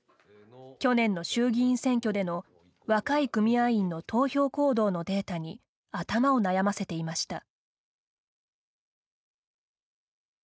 去年の衆議院選挙での若い組合員の投票行動のデータに頭を悩ませていました。